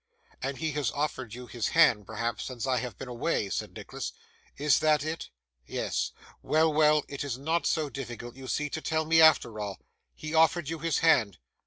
'And he has offered you his hand, perhaps, since I have been away,' said Nicholas; 'is that it? Yes. Well, well; it is not so difficult, you see, to tell me, after all. He offered you his hand?